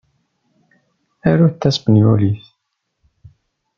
Arut taspenyulit.